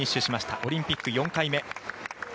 オリンピック４回目。